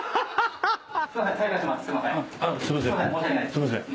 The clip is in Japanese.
すいません。